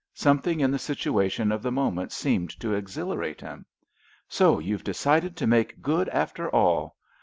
Something in the situation of the moment seemed to exhilarate him. "So you've decided to make good after all?